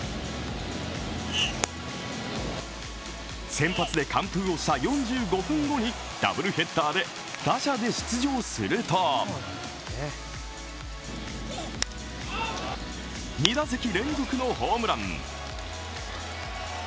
先発で完封をした４５分後にダブルヘッダーで打者で出場すると２打席連続のホームラン！